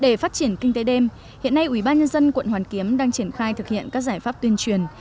để phát triển kinh tế đêm hiện nay ủy ban nhân dân quận hoàn kiếm đang triển khai thực hiện các giải pháp tuyên truyền